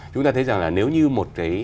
chúng ta thấy rằng là nếu như một cái